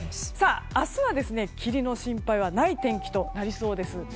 明日は、霧の心配はない天気となりそうです。